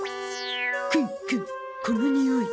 クンクンこのにおい。